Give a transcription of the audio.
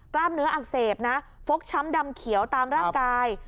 กล้ามเนื้ออักเสบนะฟกช้ำดำเขียวตามร่างกาย